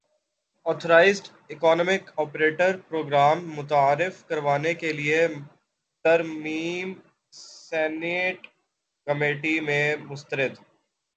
authorised economic operator programme متعارف کروانے کیلئے ترمیم سینیٹ کمیٹی میں مسترد